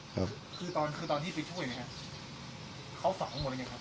ครับคือตอนคือตอนที่ช่วยเนี่ยฮะเขาฝังหมดหรือยังครับ